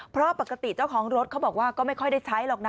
เพราะปกติเจ้าของรถเขาบอกว่าก็ไม่ค่อยได้ใช้หรอกนะ